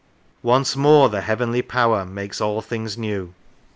Once more the Heavenly Power makes all things new.